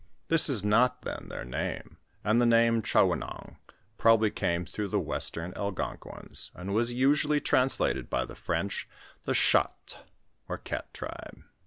This is not then their name, and the name GhaoQanong probably came through the western Algonquins, and was usually translated by the French the Chats, or Gat tribe.